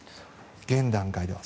現段階では。